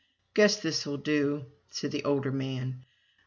"Guess this'll do," said the older man.